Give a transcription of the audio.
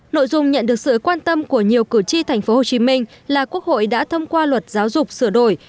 nội dung nhận được sự quan tâm của nhiều cử tri tp hcm là quốc hội đã thông qua luật giáo dục sửa đổi